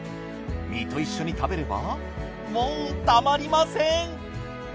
身と一緒に食べればもうたまりません。